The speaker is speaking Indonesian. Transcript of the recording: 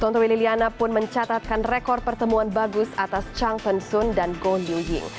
tontowi liliana pun mencatatkan rekor pertemuan bagus atas chang pen sun dan goh liu ying